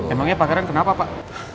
emangnya pangeran kenapa pak